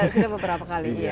sudah beberapa kali